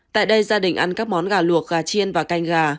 tại đây gia đình ăn các món gà luộc gà chiên và canh gà